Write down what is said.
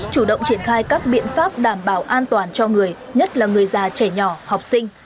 chủ động triển khai các biện pháp đảm bảo an toàn cho người nhất là người già trẻ nhỏ học sinh